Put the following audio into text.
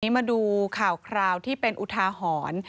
มาดูข่าวคราวที่เป็นอุทาหรณ์